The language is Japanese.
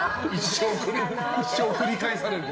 一生、繰り返される。